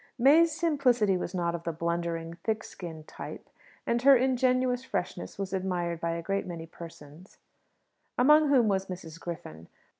May's simplicity was not of the blundering thick skinned type; and her ingenuous freshness was admired by a great many persons, among whom was Mrs. Griffin.